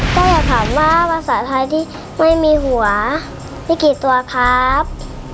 ก็อยากถามว่าภาษาไทยที่ไม่มีหัวมีกี่ตัวครับ